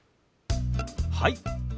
はい。